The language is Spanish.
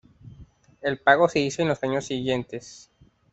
El pago se hizo en los años siguientes.